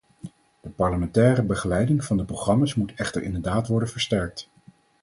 De parlementaire begeleiding van de programma's moet echter inderdaad worden versterkt.